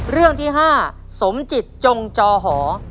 เรื่องที่๕สมจิตจงจอหอ